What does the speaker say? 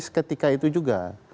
seketika itu juga